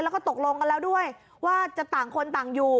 แล้วก็ตกลงกันแล้วด้วยว่าจะต่างคนต่างอยู่